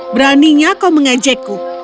beraninya kau mengejekku